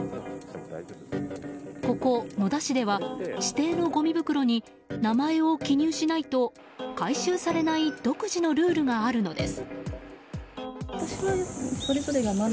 ここ、野田市では指定のごみ袋に名前を記入しないと回収されない独自のルールがあるのです。